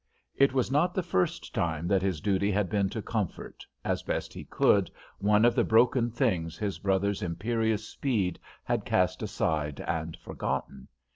It was not the first time that his duty had been to comfort, as best he could, one of the broken things his brother's imperious speed had cast aside and forgotten.